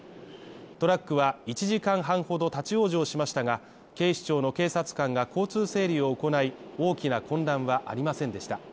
トラックは１時間半ほど立ち往生しましたが、警視庁の警察官が交通整理を行い、大きな混乱はありませんでした。